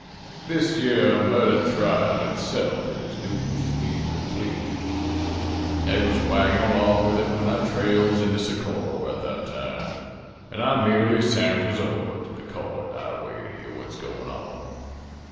"This yere murder trial itse'f is news to me complete. They was waggin' along with it when I trails into Socorro that time, an' I merely sa'nters over to the co't that a way to hear what's goin' on.